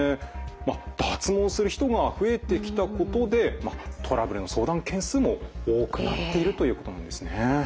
脱毛する人が増えてきたことでトラブルの相談件数も多くなっているということなんですね。